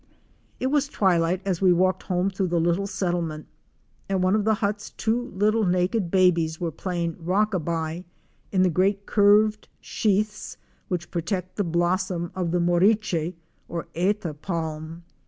It was twilight as we walked home through the little settle ment. At one of the huts two little naked babies were playing "rock a by" in the great curved sheaths which protect the blossom of the moriche, or eta palm.